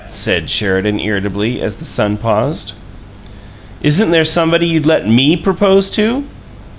said Sheridan, irritably, as the son paused. "Isn't there somebody you'd let ME propose to?"